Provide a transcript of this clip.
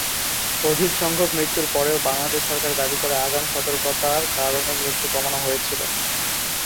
অধিক সংখ্যক মৃত্যুর পরেও, বাংলাদেশ সরকার দাবি করে, আগাম সতর্কতার কারণে মৃত্যু কমানো হয়েছিল।